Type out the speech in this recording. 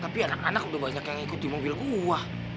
tapi anak anak udah banyak yang ikutin mobil gua